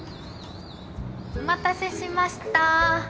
お待たせしました。